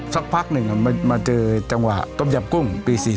สักพักหนึ่งมาเจอจังหวะต้มยำกุ้งปี๔๔